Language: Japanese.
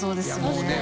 いもうね